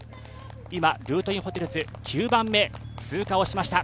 今、ルートインホテルズが９番目で通過をしました。